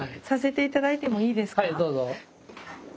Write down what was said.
はいどうぞ。